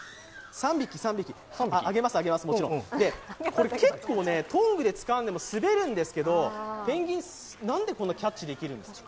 ３匹あげます、あげます、もちろん結構、トングでつかんでも滑るんですけどペンギン、なんでこんなにキャッチできるんですか？